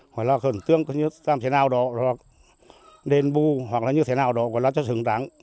gọi là khẩn tương làm thế nào đó đền bu hoặc là như thế nào đó gọi là chất hứng đáng